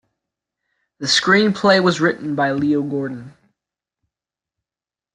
The screenplay was written by Leo Gordon.